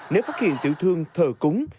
nếu phát hiện tiểu thương thờ cúng